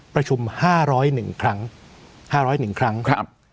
ประชุมห้าร้อยหนึ่งครั้งห้าร้อยหนึ่งครั้งครับ